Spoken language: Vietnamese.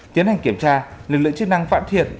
tiến hành kiểm tra lực lượng chức năng vạn thiệt